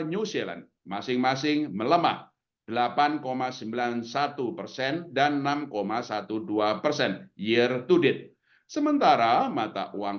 new zealand masing masing melemah delapan sembilan puluh satu persen dan enam dua belas persen year to date sementara mata uang